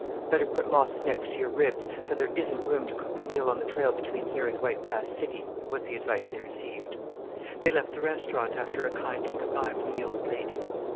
"Better put lots next your ribs, for there isn't room to cook a meal on the trail between here and White Pass City," was the advice they received. They left the restaurant, after a kindly good bye from the old lady.